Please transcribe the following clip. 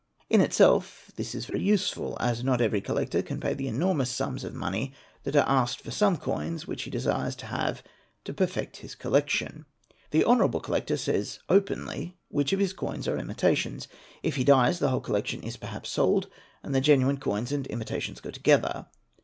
In itself this is very useful, as not every collector can pay the enormous sums of money that are asked for some coins which he desires to have to perfect his collection. The honourable collector says openly which of his coins are imitations. If he dies, the whole collection is perhaps sold, and the genuine coins and imitations go together.